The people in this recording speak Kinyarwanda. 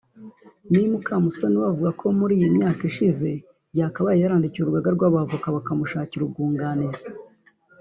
Me Mukamusoni we avuga ko muri iyi myaka ishize yakabaye yarandikiye urugaga rw’abavoka rukamushakira umwunganizi